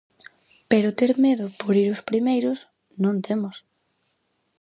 Pero ter medo por ir os primeiros, non temos.